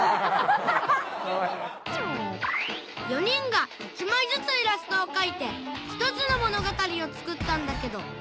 ４人が１枚ずつイラストを描いて１つの物語を作ったんだけど